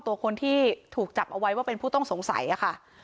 ตัวคนที่ถูกจับเอาไว้ว่าเป็นผู้ต้องสงสัยค่ะ